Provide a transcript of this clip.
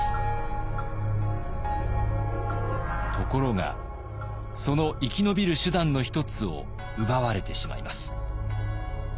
ところがその生き延びる手段の一つを奪われてしまいます。